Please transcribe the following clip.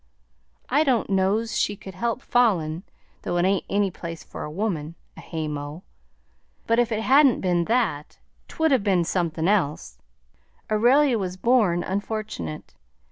I don' know 's she could help fallin', though it ain't anyplace for a woman, a haymow; but if it hadn't been that, 't would 'a' been somethin' else. Aurelia was born unfortunate.